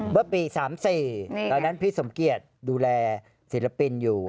เมื่อปี๓๔ตอนนั้นพี่สมเกียจดูแลศิลปินอยู่